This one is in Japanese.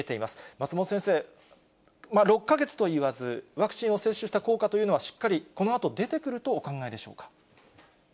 松本先生、６か月といわず、ワクチンを接種した効果というのは、しっかり、このあと出てくるとお考えでしょうか。